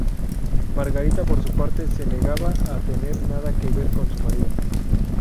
Margarita, por su parte, se negaba a tener nada que ver con su marido.